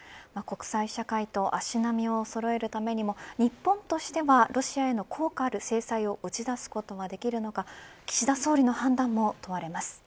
国際社会と足並みをそろえるためにも日本としてはロシアへの効果ある制裁を打ち出すことはできるのか岸田総理の判断も問われます。